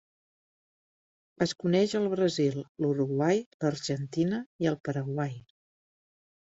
Es coneix al Brasil, l'Uruguai, l'Argentina i el Paraguai.